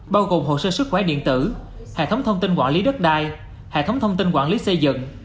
bao gồm hồ sơ sức khỏe điện tử hệ thống thông tin quản lý đất đai hệ thống thông tin quản lý xây dựng